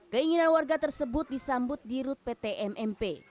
keinginan warga tersebut disambut di rut pt mmp